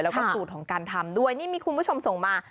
แล้วก็สูตรของการทำด้วยนี่มีคุณผู้ชมส่งมา